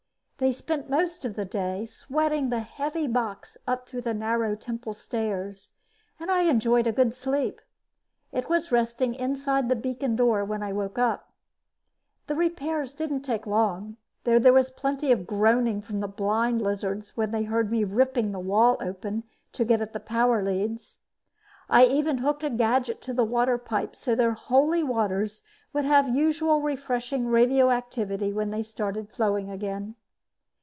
They spent most of the day sweating the heavy box up through the narrow temple stairs and I enjoyed a good sleep. It was resting inside the beacon door when I woke up. The repairs didn't take long, though there was plenty of groaning from the blind lizards when they heard me ripping the wall open to get at the power leads. I even hooked a gadget to the water pipe so their Holy Waters would have the usual refreshing radioactivity when they started flowing again.